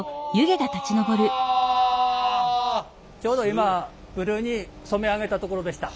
ちょうど今ブルーに染め上げたところでした。